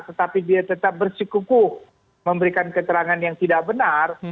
tetapi dia tetap bersikukuh memberikan keterangan yang tidak benar